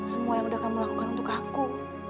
semua yang udah kamu lakukan untuk aku